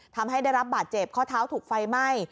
ทำให้ได้รับบาดเจ็บข้อเท้าถูกไฟไหม้